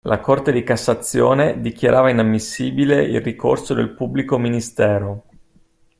La Corte di Cassazione dichiarava inammissibile il ricorso del pubblico ministero.